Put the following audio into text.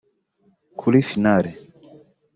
Kuri finale